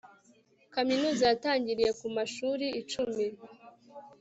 kaminuza yatangiriye ku mashuri icumi